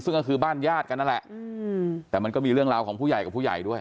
ซึ่งก็คือบ้านญาติกันนั่นแหละแต่มันก็มีเรื่องราวของผู้ใหญ่กับผู้ใหญ่ด้วย